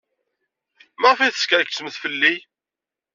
Maɣef ay teskerksemt fell-i?